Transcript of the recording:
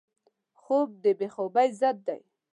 خوب د بې خوبۍ ضد دی